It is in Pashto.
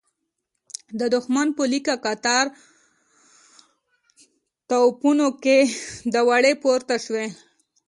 د دښمن په ليکه کتار توپونو کې دوړې پورته شوې.